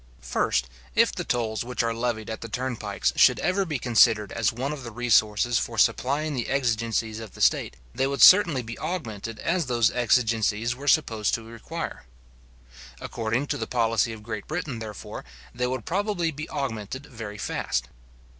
First, If the tolls which are levied at the turnpikes should ever be considered as one of the resources for supplying the exigencies of the state, they would certainly be augmented as those exigencies were supposed to require. According to the policy of Great Britain, therefore, they would probably he augmented very fast.